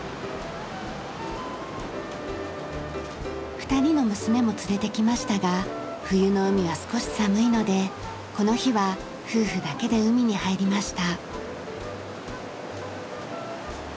２人の娘も連れてきましたが冬の海は少し寒いのでこの日は夫婦だけで海に入りました。